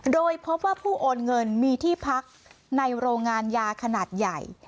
โดยพบว่าผู้โอนเงินมีที่พักในโรงงานยาขนาดใหญ่